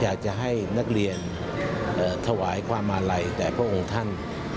อยากจะให้นักเรียนถวายความอาลัยแก่พระองค์ท่าน